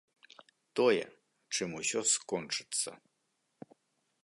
Тое, чым усё скончыцца.